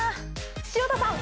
潮田さん！